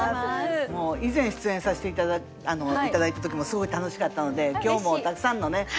もう以前出演させて頂いた時もすごい楽しかったので今日もたくさんのね